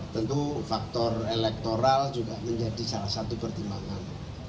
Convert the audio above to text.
tentu faktor elektoral juga menjadi salah satu pertimbangan